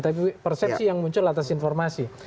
tapi persepsi yang muncul atas informasi